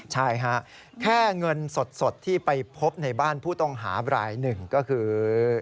ใช่ฮะแค่เงินสดที่ไปพบในบ้านผู้ต้องหาบรายหนึ่งก็คือ